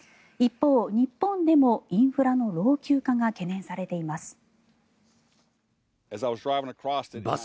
一方、日本でもインフラの老朽化が懸念されています。